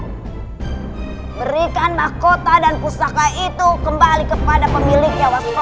hai berikan mahkota dan pusaka itu kembali kepada pemiliknya waskola